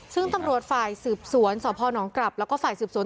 ซึ่งตำรวจฝ่ายสืบสวนสพนกลับแล้วก็ฝ่ายสืบสวน